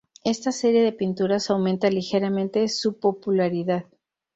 Esta serie de pinturas aumenta ligeramente su popularidad.